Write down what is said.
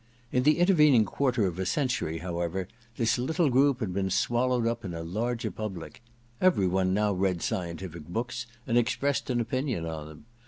In the intervening quarter of a century, however, this little group had been swallowed up in a larger public. Every one now read scientific books and expressed an opinion on them.